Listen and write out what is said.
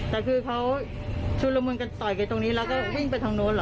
แต่คือเขาชุดละมุนกันต่อยกันตรงนี้แล้วก็วิ่งไปทางโน้นเหรอ